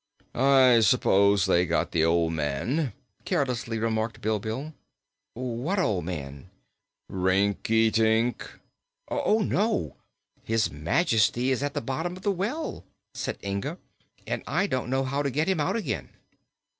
"I suppose they got the old man?" carelessly remarked Bilbil. "What old man?" "Rinkitink." "Oh, no! His Majesty is at the bottom of the well," said Inga, "and I don't know how to get him out again."